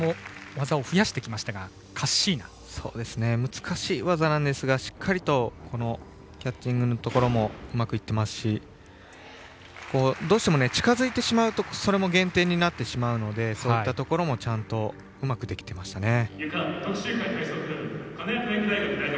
難しい技ですがしっかりキャッチングのところもうまくいってますしどうしても近づいてしまうとそれも減点になってしまうのでそういったところもうまくできていましたね。